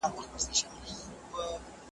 زه مخکي واښه راوړلي وو!.